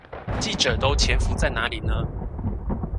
記者都潛伏在哪裡呢？